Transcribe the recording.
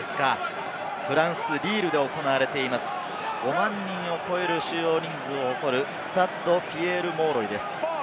フランス・リールで行われています、５万人を超える収容人数を誇るスタッド・ピエール・モーロイです。